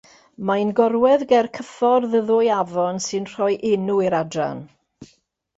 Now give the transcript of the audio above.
Mae'n gorwedd ger cyffordd y ddwy afon sy'n rhoi enw i'r adran.